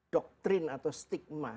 doktrin atau stigma